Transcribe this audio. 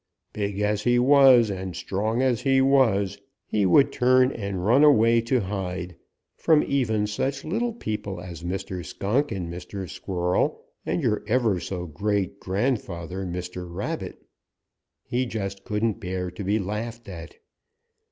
"Big as he was and strong as he was, he would turn and run away to hide from even such little people as Mr. Skunk and Mr. Squirrel and your ever so great grand father, Mr. Rabbit. He just couldn't bear to be laughed at.